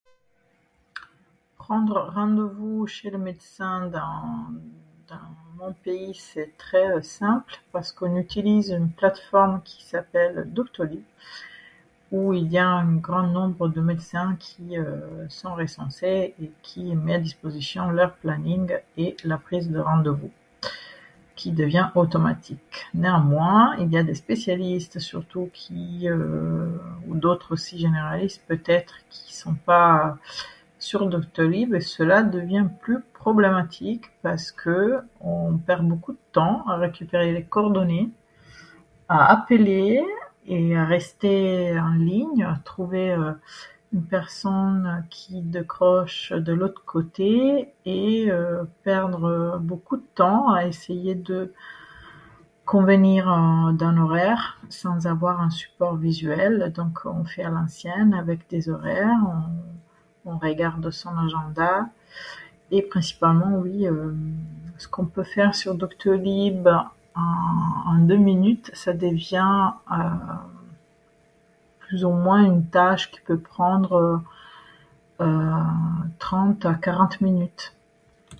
Prendre rendez-vous chez le médecin dans dans, dans mon pays, c'est, très, euh, simple, parce qu'on utilise une plateforme qui s'appelle Doctolib où il y a un grand nombre de médecins qui, euh, sont recensés et qui met à disposition leur planning et leur prise de rendez-vous qui devient automatique. Néanmoins, il y a des spécialistes surtout qui, euhh, ou d'autres aussi généralistes peut-être, qui sont pas sur Doctolib, et cela devient plus problématique, parce que on perd beaucoup de temps à récupérer les coordonnées, à appeler et à rester en ligne, à trouver une personne qui décroche de l'autre côté et, euh, perdre beaucoup de temps à essayer de convenir d'un horaire sans avoir un support visuel, donc on fait à l'ancienne avec des horaires, on regarde son agenda. Et principalement, oui, ce qu'on peut faire sur Doctolib, en deux minutes, ça devient, euh, plus ou moins une tâche qui peut prendre, euh, euh, 30 à 40 minutes.